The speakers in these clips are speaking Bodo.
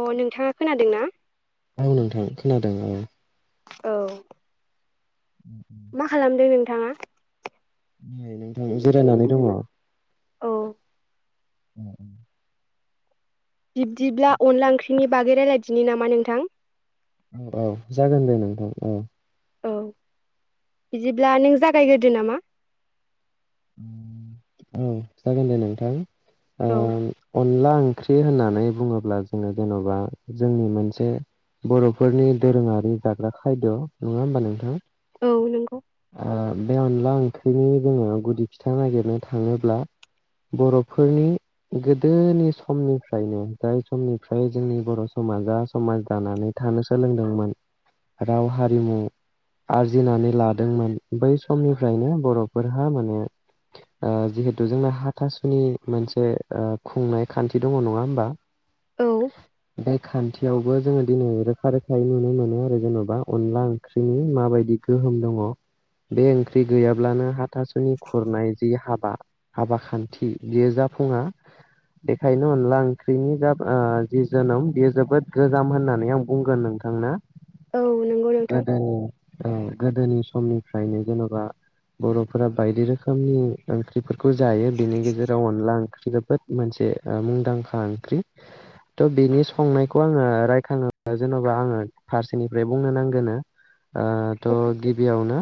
अ नोंथाङा खोनादोंना? औ नोंथां खोनादों औ औ मा खालामदों नोंथाङा नै नोंथां जिरायनानै दङ औ [inaudible] बिब्दिब्ला अनला ओंख्रिनि बागै रायलायदिनि नामा नोंथां? औ जागोन दे नोंथां औ औ बिदिब्ला नों जागायग्रोदो नामा? ओव जागोन दे नोंथां ओ औ अनला ओंख्रि होननानै बुङोब्ला जोङो जेन'बा जोंनि मोनसे बर'फोरनि दोरोङारि जाग्रा खायद' नङा होमबा नोंथां? औ नंगौ ओ बे अनला ओंख्रिनि जोङो गुदि फिथा नागिरनो थाङोब्ला बर'फोरनि गोदोनि समनिफ्रायनो जाय समनिफ्राय जोंनि बर' समाजा समाज दानानै था थानो सोलोंदोंमोन राव हारिमु आरजिनानै लादोंमोन बै समनिफ्रायनो बर'फोरहा माने [inaudible] ओ जिहेतु जोंना हाथासुनि मोनसे ओ खुंनाय खान्थि दङ नङा होमबा औ बे खान्थियावबो जोङो दिनै रोखा रोखायै नुनो मोनो आरो जेन'बा अनला ओंख्रिनि माबायदि गोहोम दङ बे ओंख्रि गैयाब्लानो हाथा सुनि खुरनाय जि हाबा हाबा खान्थि बेयो जाफुङा बेखायनो अनला ओंख्रिनि जा आ जि जोनोम बेयो जोबोद गोजाम होननानै आं बुंगोन नोंथां औ नंगौ नोंथां नोंथांनो गोदोनि गोदोनि समनिफ्रायनो जेनबा बरफोरा बायदि रोखोमनि ओंख्रिफोरखौ जायो बेनि गेजेराव अनला ओंख्रि जोबोद मोनसे ओ मुंदांखा ओंख्रि त बिनि संनायखौ आङो रायखाङोबा जेनबा आङो फारसेनिफ्राय बुंनो नांगोनो ओ त गिबियावनो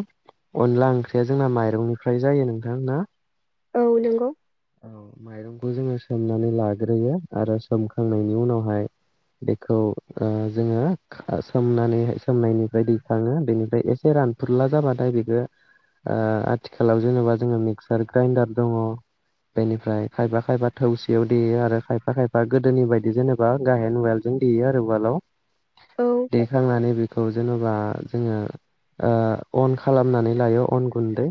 अनला ओंख्रिया जोंना माइरंनिफ्राय जायो नोंथां ना औ माइरं बेखौ जोङो सोमनानै लाग्रोयो आरो सोमखांनायनि उनावहाय बेखौ ओ जोङो खा सोमनानैहाय सोमनायनिफ्राय दैखाङो बेनिफ्राय एसे रा रानफोरला जाबाथाय बेखो ओ आथिखालाव जेनबा जों मिक्सार ग्राइन्दार दङ बेनिफ्राय खायफा खायफा थौसेयाव देयो आरो खायफा खायफा गोदोनि बायदि जेनेबा गाहेन उवालजों देयो आरो उवालाव औ देखांनानै‌ बेखौ जेनबा जेनबा जोङो अन खालामनानै लायो अन गुन्दै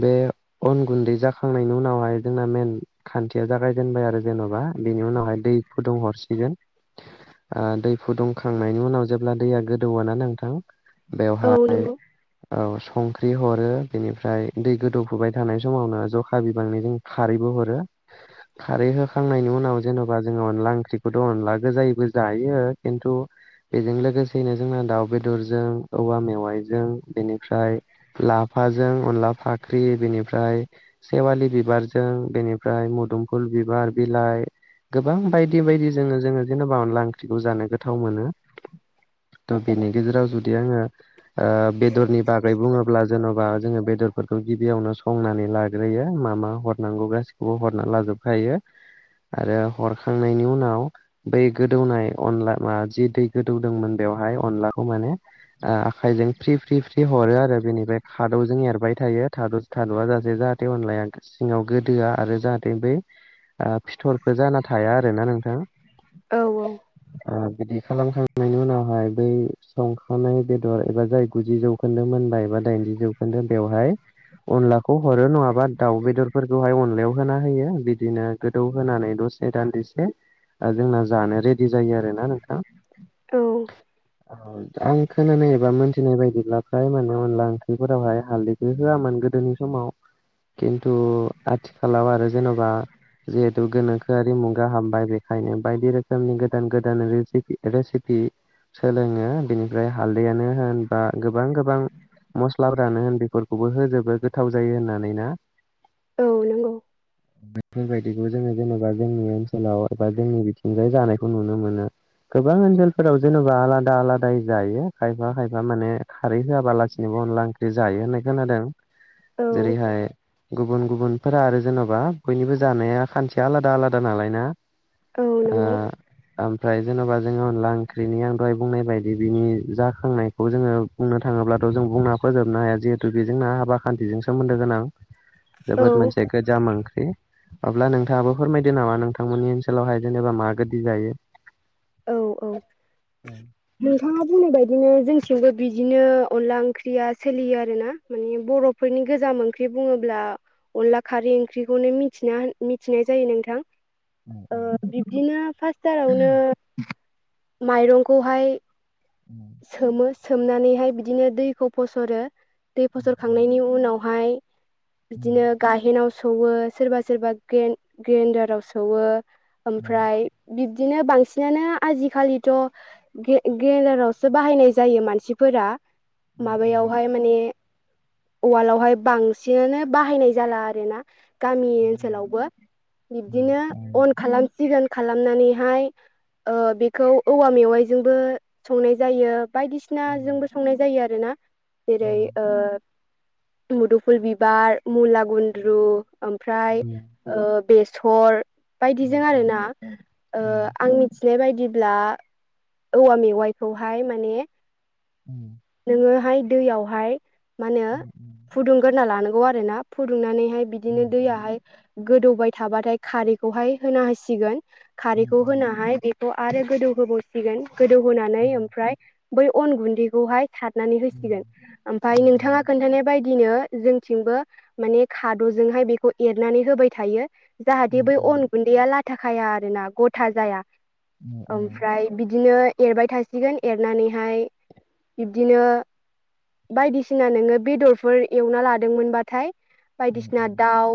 बे अन गुन्दै जाखांनायनि उनावहाय जोंना मेन खान्थिया जागायजेनबाय आरो जेनबा बेनि उनावहाय दै फुदुंहरसिगोन [inaudible] ओ दै फुदुंखांनायनि उनाव जेब्ला दैया गोदौवो ना नोंथां औ बेवहाय नंगौ औ संख्रि हरो बेनिफ्राय दै गोदौफुबाय थानाय समावनो जखा बिबांनि जों खारैबो हरो खारै होखांनायनि उनाव उनाव जेनबा जोङो अनला ओंख्रिखौथ अनला गोजायिबो जायो खिन्थु बेजों लोगोसेनो जोंना दाउ बेदरजों औवा मेवाइजों बेनिफ्राय लाफा फाजों अनला फाख्रि बेनिफ्राय सेवालि बिबारजों बेनिफ्राय मोदुमफुल बिबार बिलाइ गोबां बायदि बायदि जोङो जोङो जेनेबा अनला ओंख्रिखौ जानो गोथाव मोनो त बेनि गेजेराव जुदि आङो ओ बेदरनि बागै बुङोब्ला जेनबा जोङो बेदर बेफोरखौ गिबियावनो संनानै लाग्रोयो मा मा हरनांगौ गासिखौबो हरना लाजोबखायो आरो हरखांनायनि उनाव बै गोदौनाय अनला मा जि दै गोदौदोंमोन बेयाव बेयावहाय अनलाखौ ओ माने आखायजों फ्रि फ्रि फ्रि हरो आरो बेनिफ्राय खादौजों एरबाय थायो थाद थादआ जाथसे जाहाथे अनलाया सिङाव गोदोआ आरो जाहाथे बै आ फिथरफोर जाना थाया आरोना नोंथां औ ओ खालामखांनायनि उनाव उनावहाय बै संखानाय बेदर एबा जाय गुजि जौखोन्दो मोनबाय एबा दाइनजि जौखोन्दो बेवहाय [inaudible] अनलाखौ हरो नङाबा दाउ बेदरफोरखौहाय अनलायाव होना होयो बिदिनो गोदौ होनानै दसे दान्दिसे जोंना जानो रेडि जायो आरोना नोंथां औ औ आं खोनानाय एबा मोनथिनाय बायदिब्ला फ्राय मान होनला ओंख्रिफोरावहाय हालदै खो‌ होआमोन गोदोनि समाव खिन्थु आथिखालाव आरो जेनबा जिहेतु गोनोखोआरि मुगा हाबबाय बेखायनो बायदि रोखोमनि गोदान गोदान रेसिपि रेसिपि सोलोङो बिनिफ्राय हालदैयानो होन बा गोबां गोबां मस्लाफोरानो होन बेफोर खौबो होजोबो गोथाव जायो होननानै ना औ नंगौ बेफोबायदिखौ जोङो जेनेबा जोंनि ओनसोलाव बा जोंनि बिथिंजाय जानायखौ नुनो मोनो गोबां ओनसोलफोराव जेनेबा आलादा आलादायै जायो खायफा खायफा माने खारै होआाबालासिनो बो अनला ओंख्रि जायो होननाय खोनादों औ जेरैहाय गुबुन गुबुनफोरा आरो जेनबा बयनिबो जानाया खान्थिया आलादा आलादा नालाय ना औ आ नंगौ ओमफ्राय जेन'बा जोङो अनला ओंख्रिनि आं दहाय बुंनाय बायदि बिनि जाखांनायखौ जोङो बुंनो थाङोब्लाथ' जों बुंना फोजोबनो हाया जिहे थु बेजोंना हाबा खान्थिजों सोमोन्दो गोनां औ जोबोद मोनसे गोजाम ओंख्रि अब्ला नोंथाङाबो फोरमायदो नामा नोंथांमोननि ओनसोलावहाय जेनेबा मा गोदि जायो औ औ नोंथाङा बुंनाय बायदिनो जोंथिंबो बिदिनो अनला ओंख्रिया सोलियो आरो ना माने बर'फोरनि गोजाम ओंख्रि बुङोब्ला अनला खारै ओंख्रिखौनो मिथिना मिथिनाय जायो नोंथां ओ बिब्दिनो फार्सथारावनो माइरंखौहाय सोमो सोमनानैहाय बिदिनो दैखौ फस'रो दै फसरखांनायनि उनाव हाय बिदिनो गाहेनाव सौवो सोरबा सोरबा गेन-ग्रेन्दाराव सौवो ओमफ्राय बिब दिनो बांसिनानो आजिखालिथ' गे- गेनदारावसो सो बाहायनाय जायो मानसिफोरा माबायावहाय माने उवालावहाय बांसिनानो बाहायनाय जाला आरो ना गामि ओनसोलावबो बिब्दिनो अन खालामसिगोन खालामनानैहाय ओ बेखौ औवा मेवाइजोंबो संनाय जायो बायदिसिनाजोंबो संनाय जायो आरो ना जेरै ओ मुदुफुल बिबार मुला गुन्द्रु ओमफ्राय ओ बेस सर बायदिजों आरो ना ओ आं मिथिनाय बाय दिब्ला औवा मेवाइखौहाय माने नोङोहाय दैयावहाय मा होनो फुदुंग्रोना लानांगौ आरोना फुदुंनानै [unintelligible] बिदिनो दैयाहाय गोदौबाय थाबाथाय खारैखौहाय होना होसिगोन खारैखौ होनाहाय बेखौ आरो गोदौ होबावसिगोन गोदौहोनानै ओमफ्राय बै अन गुन्दैखौहाय सारनानै होसिगोन ओमफाय नोंथाङा खोन्थानाय बाय दिनो जोंथिंबो माने खाद'जोंहाय बेखौ एरनानै होबाय थायो जाहाथे बै अन गुन्दैया लाथाखाया आरो ना गथा जाया ओमफ्राय बिदिनो एरबाय थायो एरसिगोन एरनानैहाय बिब्दिनो बायदिसिना नोङो बेदरफोर एवना लादोंमोनबाथाय बायदिसिना दाउ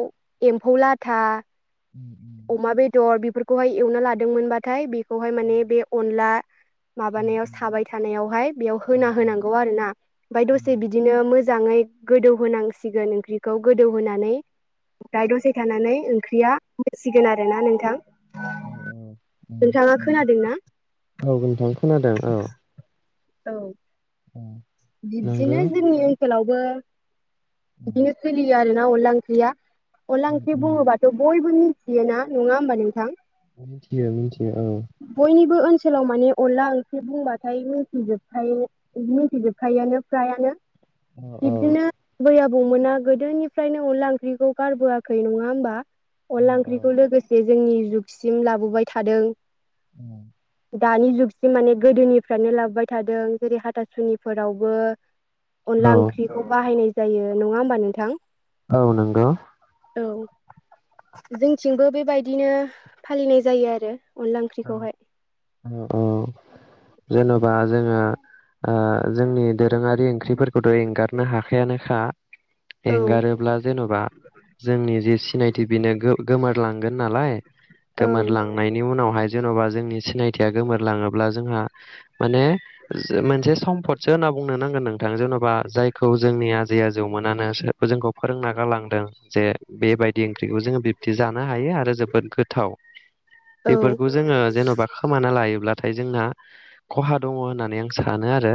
एम्फौ लाथा अमा बेदर बेफोर खौहाय एवना लादोंमोनबाथाय बेखौहाय माने बे अनला माबानायाव साबाय थानायावहाय बेयाव होना होनांगौ आरो ना ओमफ्राय दसे बिदिनो मो मोजाङै गोदौहांसिगोन ओंख्रिखौ गोदौ होनोनानै ओमफ्राय दसे थानानै ओंख्रिया होसिगोन आरोना नोंथां नोंथाङा खोनादोंना औ नोंथां खोनादों औ औ बिब्दिनो नंगौ जोंनि ओनसोलावबो बिदिनो सोलियो आरो ना अनला ओंख्रिया अनला ओंख्रि बुङोबाथ' बयबो मिथियोना नङा होमबा नोंथां मिनथियो मिनथियो औ सोलाव माने अनला ओंख्रि बुंबाथाय मिथिजोबखायो मिथिजोबखायोआनो फ्रायानो औ औ बिबदिनो बैयाब बौमोना गोदोनिफ्रायनो अनला ओंख्रिखौ गारबोआखै नङा होमबा अनला ओंख्रिखौ औ लोगोसे जोंनि जुगसिम लाबोबाय थादों [unintelligible] दानि जुगसिम माने गोदोनिफ्रायनो लाबोबाय थादों जेरै हाथासुनिफोरावबो औ अनला ओंख्रिखौ बाहायनाय जायो नङा होमबा नोंथां औ नोंगौ औ जोंथिंबो बेबायदिनो फालिनाय जायो आरो अनला [unintelligible] औ ओंख्रिखौहाय औ जेन'बा जोङो आ जोंनि दोरोङारि ओंख्रिफोरखौथ' एंगारनो हाखायानोखा औ ओं एंगारोब्ला जेन'बा जोंनि जि सिनायथि बेनो गो-गोमोरलांगोन नालाय औ गोमोरलांनायनि उनावहाय जेन'बा जोंनि सिनायथिया गोमोरलाङोब्ला जोंहा माने जो मोनसे सम्फदसो होनना बुंनो नांगोन नों थां जेन'बा जायखौ जोंनि आजै आजौमोनानो जो-जोंखौ फोरोंना गालांदों जे बेबाय दि ओंख्रिखौ जोङो बिब्दि जानो हायो आरो जोबोद गोथाव। औ बेफोरखौ जोङो जेनबा खोमाना लायोब्लाथाय जोंना खहा दङ होननानै आं सानो आरो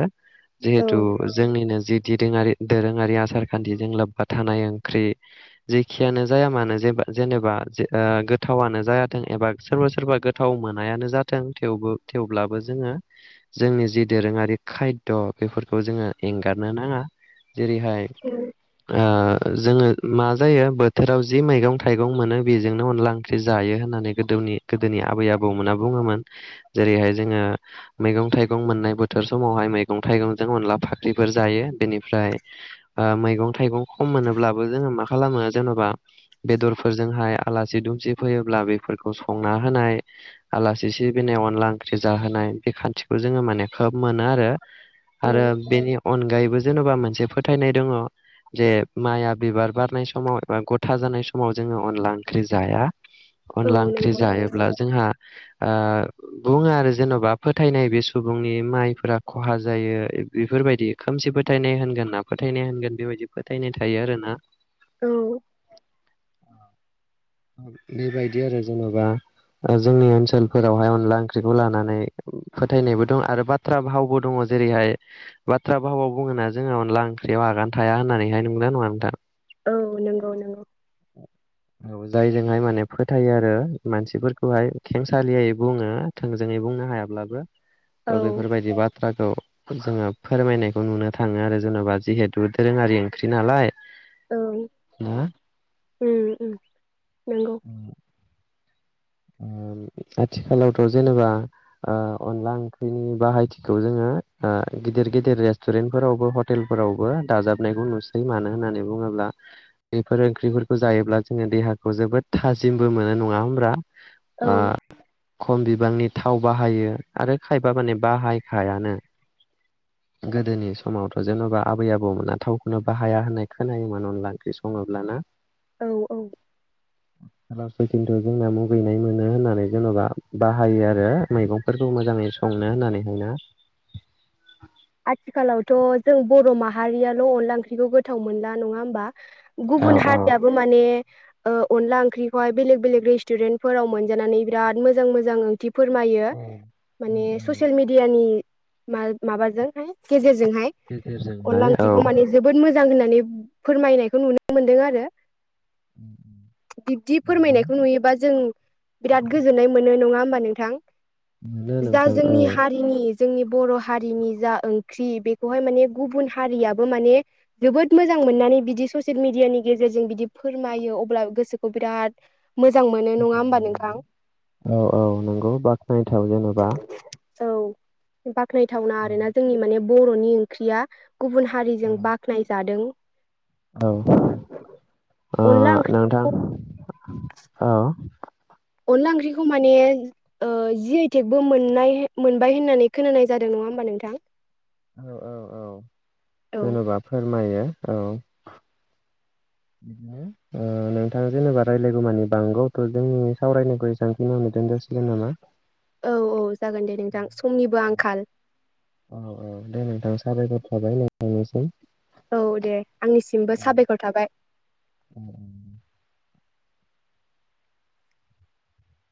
औ जिहेथु जोंनिनो जिद दिदोङारि दोरोङारि आसारखान्थिजों लोब्बा थानाय ओंख्रि जेखियानो जाया मानो जेबा जेनेबा जो ओ गोथावानो जायाथों एबा सोरबा सोरबा गो गोथाव मोनायानो जाथों थेवबो थेवब्लाबो जोङो जोंनि जि दोरोङारि खायद बेफोरखौ जोङो एंगारनो नाङा जेरैहाय ओ ओ जोङो मा जायो बोथोराव जि मैगं थाइगं मोनो बेजोंनो अनला ओंख्रि जायो होननानै गोदो नि गोदोनि आब बै आबौमोना बुङोमोन जेरैहाय जोङो मैगं थाइगं मोननाय बोथोर समावहाय मैगं थाइ [unintelligible] जायो बिनिफ्राय ओ मैगं थायगंखौ मोनोब्लाबो जोङो मा खालामो खालामो जेनबा बेदरफोरजोंहाय आलासि दुमसि फैयोब्ला बेफोरखौ संना होनाय आलासि सिबिनाय अनला ओंख्रि जाहोनाय बे खान्थिखो जोङो माने खोब मोनो आरो औ आरो बेनि अनगायैबो जेनेबा मोनसे फोथायनाय दङ जे माइआ बिबार बारनाय समाव एबा गथा जानाय समाव जों नो अनला ओंख्रि जाया औ अनला ओंख्रि नंगौ जायोब्ला [inaudible] आ बुङो आरो जेनबा फोथायनाय बे सुबुंनि माइफोरा खहा जायो बेफोर बेफोरबायदि खोमसि फोथायनाय होनगोन ना फोथायनाय होनगोन बेबायदि फोथायनाय थायो आरो ना औ बेबायदि आरो जेनबा ओ जोंनि ओनसोलफोरावहाय अनला ओंख्रिखौ लानानै फोथायनायबो दं आरो बाथ्रा भावबो दङ जेरैहाय बाथ्रा भहाबाव बुङोना जोंहा अनला ओंख्रियाव आगान थाया होननानैहाय नोंगौ ना नङा नोंथां? औ नंगौ नंगौ। औ जो जायजोंहाय माने फोथायो आरो मानसिफोरखौहाय खेंसालियै बुङो थोंजोङै बुंनो हायाब्लाबो ओ औ बेफोरबादि बाथ्रखौ जोङो फोरमायनायखौ नुनो थाङो आरो जेनबा जिहेथु दोरोङारि ओंख्रि नालाय औ उम ना उम उम नंगौ। उम आथिखालावथ जेनेबा ओ अनला ओंख्रिनि बाहायथिखौ जोङो [unintelligible] ओ गिदिर गिदिर रेस्टुरेन्ट फोरावबो हटेलफोरावबो दाजाबनायखौ नुसै मानो होननानै बुङो ब्ला बेफोर ओंख्रिफोरखौ जायोब्ला जोङो देहाखौ जोबोद थाजिमबो मोनो नङा होमब्ला? औ आ खमबि बिबांनि थाव बाहायो आरो खायफा माने बाहायखायानो। [inaudible] गोदोनि समावथ जेनबा आबै आबौमोना थावखौनो बाहाया होननाय खोनायोमोन अनला ओंख्रि सङोब्ला ना? औ औ। [unintelligible] मुगैनाय मोनो होननानै जेनबा बाहायो आरो मैगंफोरखौ मोजाङै संनो होननानैहायना। [inaudible] आथिखालावथ जों बर' माहारियाल' अनला ओंख्रिखौ गोथाव मोनला नङा होमबा? औ गुबुन औ हारियाबो माने अनला ओंख्रिखौहाय बेलेक बेलेक रेस्टुरेन्टफोराव मोनजानानै बिराद मोजां मोजां ओंथि फोरमायो माने ससियेल मिडियानि गेजेरजों हाय अनला गेजेरजोंहाय औ ओंख्रिखौ माने जोबोर मोजां मोजां होननानै फोरमायनायखौ नुनो मोनदों आरो बिब्दि फोरमायनायखौ नुयोबा जों बिराद गोजोननाय मोनो नङा होनबा नोंथां मोनो जा नोंथां औ जोंनि हारिनि जोंनि बर' हारिनि जा ओंख्रि बेखौहाय माने गुबुन हारियाबो माने जोबोद मोजां मोननानै बिदि ससियेल मिडियानि गेजेरजों बिदि फोरमायो अब्ला गोसोखौ बिराद मोजां मोनो नङा होमबा नोंथां औ औ नंगौ बाख्नायथाव जेनेबा औ बाख्नायथावना आरोना। बे बर'नि ओंख्रिया गुबुन हारिजों बाखनायजादों। औ औ अनला ओंख्रि नोंथां औ। अनला ओंख्रिखौ माने ओ जि आइ टेग बो मोननाय मोनबाय होननानै खोनानाय जादों नङा होनबा नोंथां? औ औ औ औ जेन'बा फोरमायो औ। [inaudible] ओ नोंथाङा जेनेबा रायज्लायगौ मानि बांगौथ' जोंनि सावरायनायखौ एसांखिनियावनो दोन जासिगोन नामा? औ औ जागोन दे नोंथां समनिबो आंखाल। औ औ दे नोंथां साबायखर थाबाय नोंथांनिसिम। औ दे आंनिसिमबो साबायखर थाबाय।